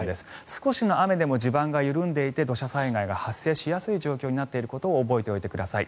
少しの雨でも地盤が緩んでいて土砂災害が発生しやすい状況になっていることを覚えておいてください。